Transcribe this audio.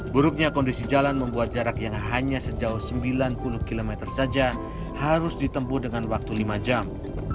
buruknya kondisi jalan membuat jarak yang hanya sejauh sembilan puluh km saja harus ditempuh dengan waktu lima jam